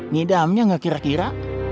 nidamnya nggak kira kira